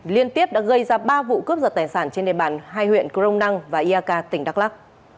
liên tiếp đã gây ra ba vụ cướp giật tài sản trên đề bản hai huyện crong năng và iak tỉnh đắk lắc